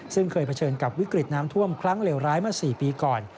ซึ่งเคยเผชิญกับวิกฤตน้ำท่วมครั้งเลวร้ายเมื่อ๔ปีก่อน